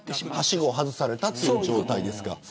はしごを外された状態ですか。